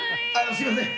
すいません。